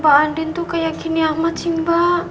pak andin tuh kayak gini amat sih mbak